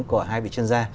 của hai vị chuyên gia